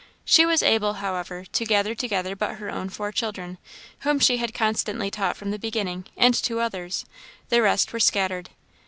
She was able, however, to gather together but her own four children, whom she had constantly taught from the beginning, and two others. The rest were scattered.